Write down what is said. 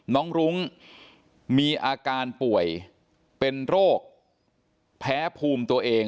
รุ้งมีอาการป่วยเป็นโรคแพ้ภูมิตัวเอง